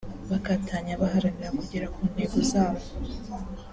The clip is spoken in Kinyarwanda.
bakatanya baharanira kugera ku ntego zawo